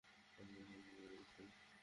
আমি তার কোন দোষ দিচ্ছিনা।